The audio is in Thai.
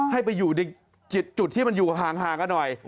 ให้ไปอยู่ในจุดที่มันอยู่ห่างกันหน่อย